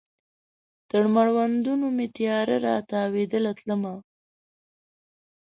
تر مړوندونو مې تیاره را تاویدله تلمه